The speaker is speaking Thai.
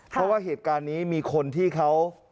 เพราะว่าเหตุการณ์นี้มีคนที่เขา